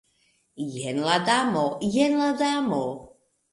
Jen la Damo, jen la Damo!